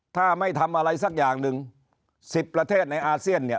ถ้าไม่ทำอะไรสักอย่างหนึ่ง๑๐ประเทศในอาเซียนเนี่ย